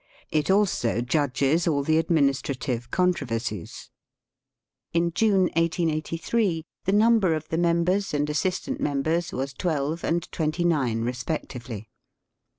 It also judges all the administrative controversies. In June, 1883, the number of the members and assis tant members was twelve and twenty nine respectively.